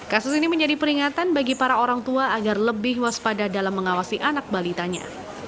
kasus ini menjadi peringatan bagi para orang tua agar lebih waspada dalam mengawasi anak balitanya